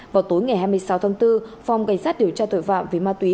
vào tối ngày hai mươi sáu tháng bốn phòng cảnh sát điều tra tội phạm về ma túy